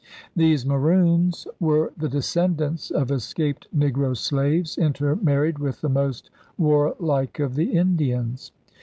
These Maroons were the descendants of escaped negro slaves intermarried with the most warlike of the Indians.